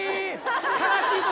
悲しい時。